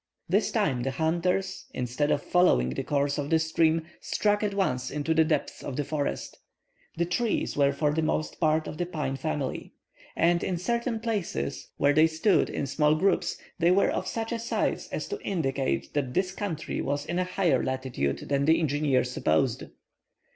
This time, the hunters, instead of following the course of the stream, struck at once into the depths of the forests. The trees were for the most part of the pine family. And in certain places, where they stood in small groups, they were of such a size as to indicate that this country was in a higher latitude than the engineer supposed.